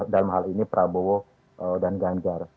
dalam hal ini prabowo dan ganjar